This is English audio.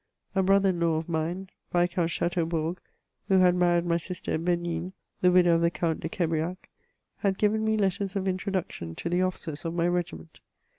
A brother in law of mine. Viscount Chateaubourg (who had married my sister B^nigne, the widow of the Count de Qu^riac) had given me letters of introduction to the officers of my regiment.